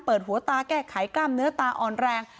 เปิดหัวตาแก้ไขกรรมเนื้อตาอ่อนแรง